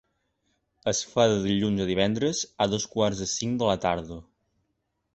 Es fa de dilluns a divendres, a dos quarts de cinc de la tarda.